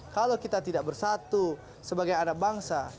kalau kita tidak bersatu sebagai anak bangsa